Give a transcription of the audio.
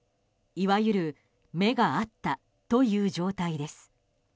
いわゆる目が合ったという状態です。